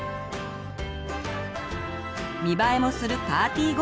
見栄えもするパーティーごはん